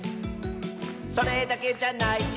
「それだけじゃないよ」